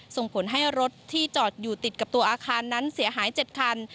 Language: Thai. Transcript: ส่งผลให้รถที่จอดอยู่ติดกับตัวอาคารนั้นเสียหาย๗คัน